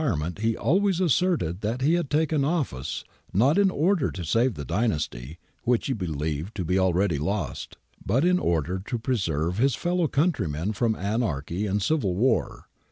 2 1 8 GARIBALDI AND THE MAKING OF ITALY ment he always asserted that he had taken office, not in order to save the dynasty, which he believed to be already lost, but in order to preserve his fellow countrymen from anarchy and civil war.